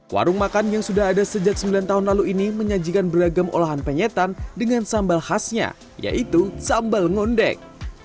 warung makan yang sudah ada sejak sembilan tahun lalu ini menyajikan beragam olahan penyetan dengan sambal khasnya yaitu sambal ngondek